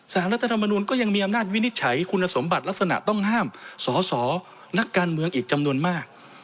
รัฐธรรมนุนก็ยังมีอำนาจวินิจฉัยคุณสมบัติลักษณะต้องห้ามสอสอนักการเมืองอีกจำนวนมาก